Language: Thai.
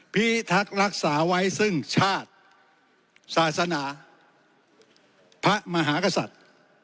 พิทักษ์รักษาไว้ซึ่งชาติศาสนาพระมหากษัตริย์